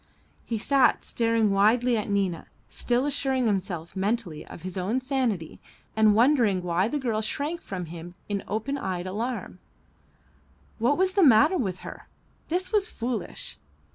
He sat staring wildly at Nina, still assuring himself mentally of his own sanity and wondering why the girl shrank from him in open eyed alarm. What was the matter with her? This was foolish.